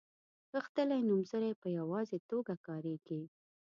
غښتلي نومځري په یوازې توګه کاریږي.